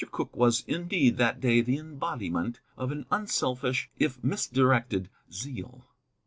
Cooke was, indeed, that day the embodiment of an unselfish if misdirected zeal.